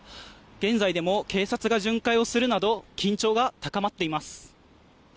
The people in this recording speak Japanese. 現在でも警察が巡回するなど緊張が高まっています。